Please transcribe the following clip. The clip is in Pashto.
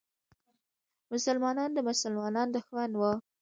مسلمان د مسلمان دښمن و.